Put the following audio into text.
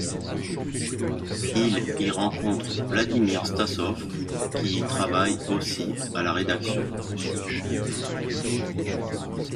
Il y rencontre Vladimir Stassov, qui y travaille aussi à la rédaction.